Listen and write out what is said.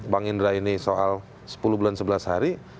bang indra ini soal sepuluh bulan sebelas hari